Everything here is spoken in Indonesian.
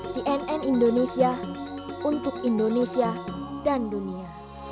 cnn indonesia untuk indonesia dan dunia